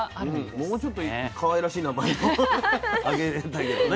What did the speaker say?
もうちょっとかわいらしい名前もあげたいけどね。